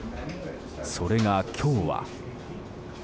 それが今日は。